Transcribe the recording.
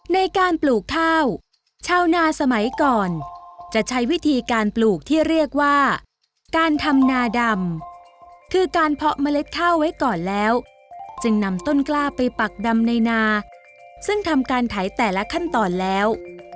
ในการปลูกข้าวชาวนาสมัยก่อนจะใช้วิธีการปลูกที่เรียกว่าการทำนาดำคือการเพาะเมล็ดข้าวไว้ก่อนแล้วจึงนำต้นกล้าไปปักดำในนาซึ่งทำการไถแต่ละขั้นตอนแล้ว